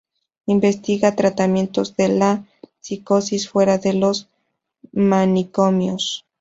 Investiga tratamientos de las psicosis fuera de los manicomios.